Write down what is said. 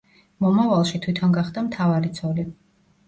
მომავალში თვითონ გახდა მთავარი ცოლი.